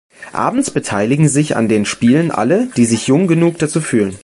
Abends beteiligen sich an den Spielen alle, die sich jung genug dazu fühlen.